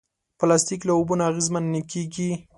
پلاستيک له اوبو نه اغېزمن نه کېږي.